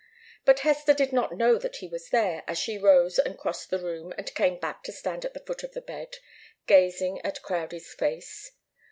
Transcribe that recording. But Hester did not know that he was there, as she rose and crossed the room and came back to stand at the foot of the bed, gazing at Crowdie's face.